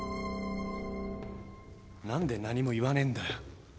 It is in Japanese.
何で何も言わねえんだよ！